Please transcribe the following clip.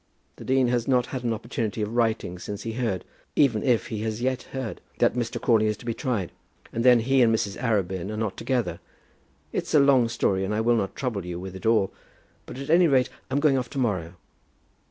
The dean has not had an opportunity of writing since he heard, even if he has yet heard, that Mr. Crawley is to be tried. And then he and Mrs. Arabin are not together. It's a long story, and I will not trouble you with it all; but at any rate I'm going off to morrow.